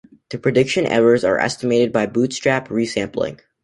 The prediction errors are estimated by bootstrap re-sampling.